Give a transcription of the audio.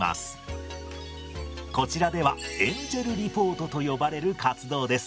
こちらではエンジェルリポートと呼ばれる活動です。